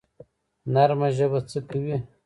نرمه ژبه څه کوي؟